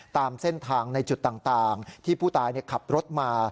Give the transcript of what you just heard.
ตามเส้นทางในจุดต่างที่ผู้ตายขับรถมา